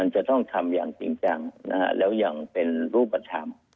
จะต้องทำอย่างจริงจังแล้วยังเป็นรูปธรรม